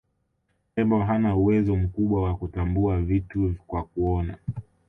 tembo hana uwezo mkubwa wa kutambua vitu kwa kuona